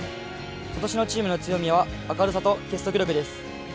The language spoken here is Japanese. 今年のチームの強みは明るさと結束力です。